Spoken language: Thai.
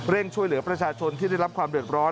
ช่วยเหลือประชาชนที่ได้รับความเดือดร้อน